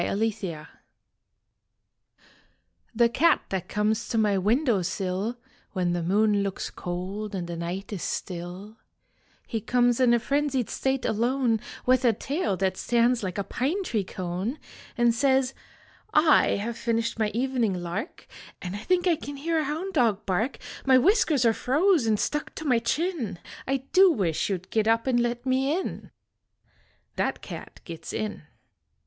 THAT CAT The cat that conies to my window sill When the moon looks cold and the night is still He comes in a frenzied state alone With a tail that stands like a pine tree cone And says : "I have finished my evening lark And I think I can hear a hound dog bark. My whiskers are froze nd stuck to my chin. I do wish you d git up and let me in." That cat gits in.